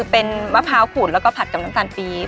เป็นมะพร้าวขูดแล้วก็ผัดกับน้ำตาลปี๊บ